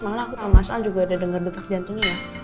mas al juga udah dengar detak jantungnya